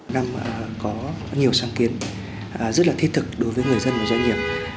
năm có nhiều sáng kiến rất là thi thực đối với người dân và doanh nghiệp